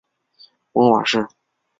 母马氏。